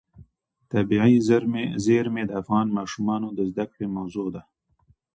طبیعي زیرمې د افغان ماشومانو د زده کړې موضوع ده.